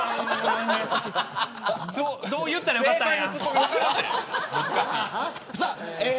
どう言ったらよかったんや。